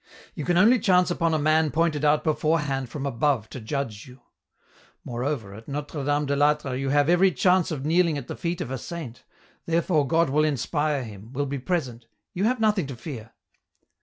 " You can only chance upon a man pointed out before hand from above to judge you ; moreover, at Notre Dame de I'Atre you have every chance of kneeling at the feet of a saint, therefore God will inspire him, will be present, you have nothing to fear.